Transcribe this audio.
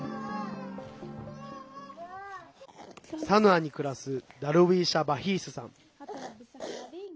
サヌアに暮らすダルウィーシャ・バヒースさん。